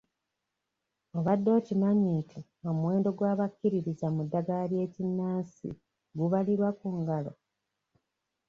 Obadde okimanyi nti omuwendo gw'abakkiririza mu ddagala ly'ekinnansi gubalirwa ku ngalo?